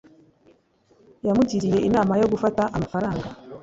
yamugiriye inama yo gufata amafaranga